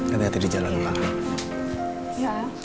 hati hati di jalan lah